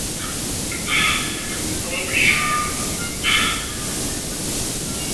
Jugaba de mediocampista y su primer equipo fue Chacarita Juniors.